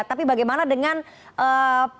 tapi bagaimana dengan persiapan